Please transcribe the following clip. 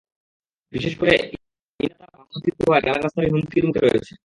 বিশেষ করে ইনাতাবাদ গ্রামে ভাঙন তীব্র হওয়ায় গ্রামের রাস্তাটি হুমকির মুখে রয়েছে।